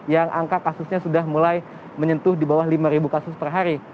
yang angka kasusnya sudah mulai menyentuh di bawah lima kasus per hari